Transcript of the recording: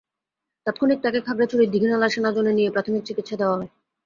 তাৎক্ষণিক তাঁকে খাগড়াছড়ির দীঘিনালা সেনা জোনে নিয়ে প্রাথমিক চিকিৎসা দেওয়া হয়।